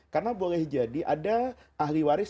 karena boleh jadi ada ahli waris